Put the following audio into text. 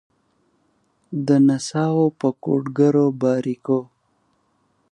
د نڅاوو په کوډګرو باریکېو